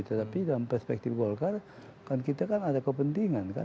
tetapi dalam perspektif golkar kan kita kan ada kepentingan kan